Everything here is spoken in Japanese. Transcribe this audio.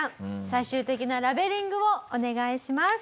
最終的なラベリングをお願いします。